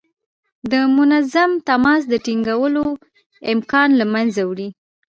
د منظم تماس د ټینګولو امکان له منځه وړي.